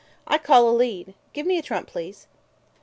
"I call a lead. Give me a trump, please."